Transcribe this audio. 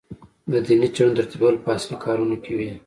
د دیني څېړنو ترتیبول په اصلي کارونو کې وي.